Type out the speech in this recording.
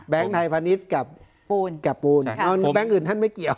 แบงค์ไทยพณิชย์กับปูนแบงค์อื่นท่านไม่เกี่ยว